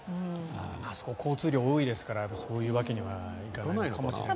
あそこ交通量多いですからそういうわけにはいかないのかもしれないです。